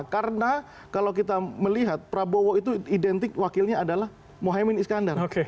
karena kalau kita melihat prabowo itu identik wakilnya adalah mohaimin iskandar